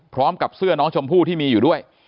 พร้อมกับเสื้อน้องชมพู่ที่มีอยู่ด้วย